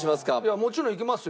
もちろんいきますよ。